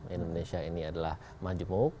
indonesia ini adalah majmuk